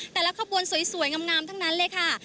แต่ละขบวนสวยงามทั้งนั้นเลยค่ะ